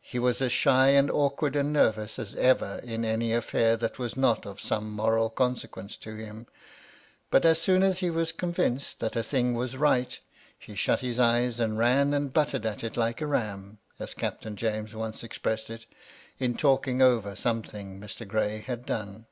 He was as shy and awkward and nervous as ever in any aflFair that was not of some moral con sequence to him. But as soon as he was convinced that a thing was right, he " shut his eyes and ran and butted at it Uke a ram," as Captain James once ex pressed it, in talking over something Mr. Gray had done.